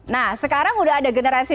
nah sekarang udah ada generasi